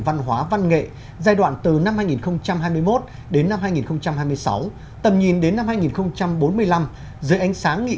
văn hóa văn nghệ giai đoạn từ năm hai nghìn hai mươi một đến năm hai nghìn hai mươi sáu tầm nhìn đến năm hai nghìn bốn mươi năm dưới ánh sáng nghị